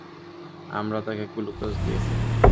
আমরা তাকে গ্লুকোজ দিয়েছি।